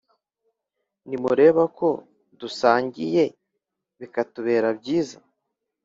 Ntimureba ko dusangiye bikatubera byiza